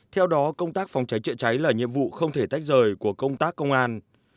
theo đó công tác phòng cháy chữa cháy là nhiệm vụ không thể tách rời của công tác công an